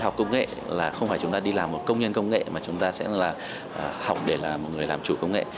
khoa học công nghệ là không phải chúng ta đi làm một công nhân công nghệ mà chúng ta sẽ là học để là một người làm chủ công nghệ